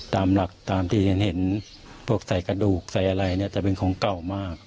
ตามหลักตามที่เห็นพวกใส่กระดูกใส่อะไรเนี่ยจะเป็นของเก่ามาก